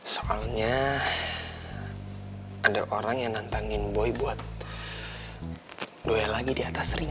soalnya ada orang yang nantangin boy buat doe lagi di atas ring